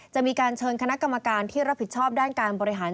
จะมีการเชิญคณะกรรมการที่รับผิดชอบด้านการบริหาร